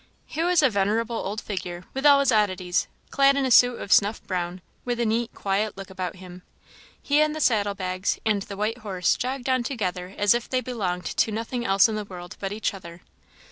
He was a venerable old figure, with all his oddities; clad in a suit of snuff brown, with a neat, quiet look about him, he and the saddle bags and the white horse jogged on together as if they belonged to nothing else in the world but each other.